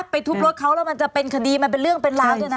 ทุบรถเขาแล้วมันจะเป็นคดีมันเป็นเรื่องเป็นราวด้วยนะ